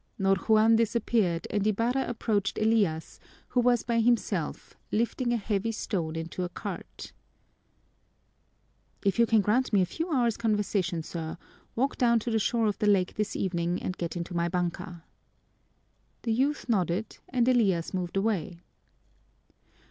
Ñor Juan disappeared, and Ibarra approached Elias, who was by himself, lifting a heavy stone into a cart. "If you can grant me a few hours' conversation, sir, walk down to the shore of the lake this evening and get into my banka." The youth nodded, and Elias moved away.